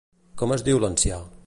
Com es diu l'ancià?